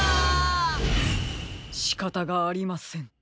しかたがありません。